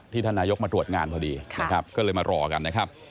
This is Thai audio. ที่ท่านนายกมาตรวจงานพอดีก็เลยมารอกันนะครับ